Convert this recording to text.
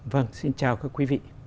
vâng xin chào các quý vị